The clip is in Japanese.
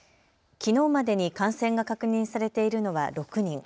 きのうまでに感染が確認されているのは６人。